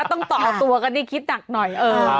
ต้องต่อตัวกันที่คิดหนักหน่อย